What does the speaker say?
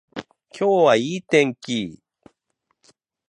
今日はいい天気